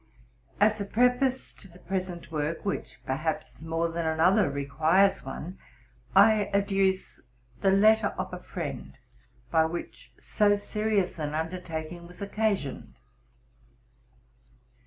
As a preface to the present work, which, perhaps, more than another, requires one, I adduce the letter of a friena by which so serious an undertaking was occasioned.